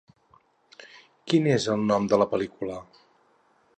Quin és el nom de la pel·lícula?